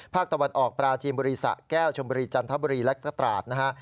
ภาคตะวันออกปราจีนบุรีสะแก้วชมบุรีจันทบุรีและตราดนะฮะ